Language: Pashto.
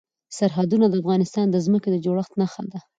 سرحدونه د افغانستان د ځمکې د جوړښت نښه ده.